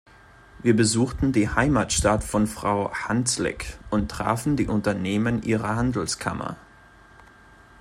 Wir besuchten die Heimatstadt von Frau Handzlik und trafen die Unternehmen ihrer Handelskammer.